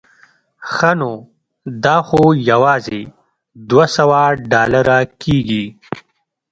ښه نو دا خو یوازې دوه سوه ډالره کېږي.